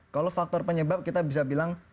kalau faktor penyebab kita bisa bilang